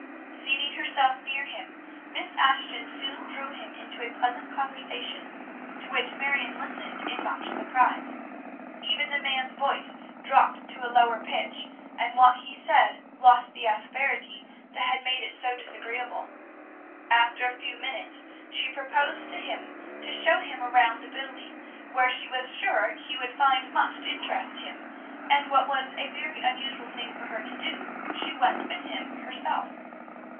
Seating herself near him, Miss Ashton soon drew him into a pleasant conversation, to which Marion listened in much surprise. Even the man's voice dropped to a lower pitch, and what he said lost the asperity that had made it so disagreeable. After a few minutes, she proposed to him to show him around the building, where she was sure he would find much to interest him, and, what was a very unusual thing for her to do, she went with him herself.